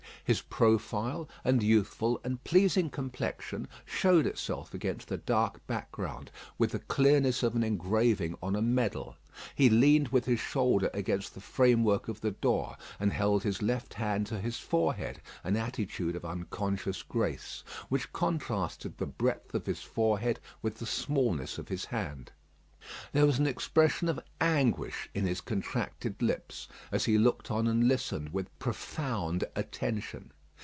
His profile and youthful and pleasing complexion showed itself against the dark background with the clearness of an engraving on a medal. He leaned with his shoulder against the framework of the door, and held his left hand to his forehead, an attitude of unconscious grace, which contrasted the breadth of his forehead with the smallness of his hand. There was an expression of anguish in his contracted lips, as he looked on and listened with profound attention.